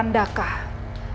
dan menjaga kemampuan